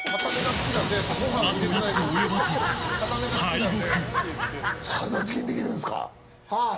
あと一歩及ばず敗北。